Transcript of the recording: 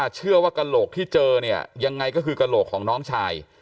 เชื่อว่ากระโหลกที่เจอเนี่ยยังไงก็คือกระโหลกของน้องชาย